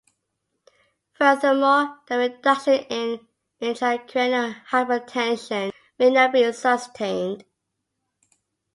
Furthermore, the reduction in intracranial hypertension may not be sustained.